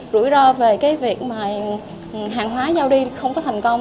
rủi ro về việc hàng hóa giao đi không có thành công